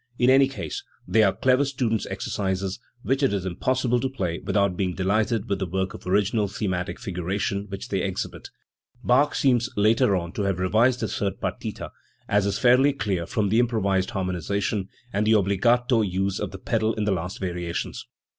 In any case they are clever student's exercises, which it is impossible to play without being delighted with the power of original thematic figuration which they exhibit. Bach seems later on to have revised the third partita, as is fairly clear from the improved harmonisation and the obbligato use of the pedal in the last variations.